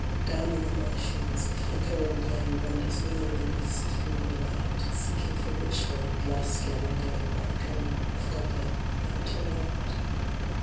Down on the marshlands with flicker and glow Wanders Will o' the Wisp through the night. Seeking for witch gold lost long ago By the glimmer of goblin lantern light.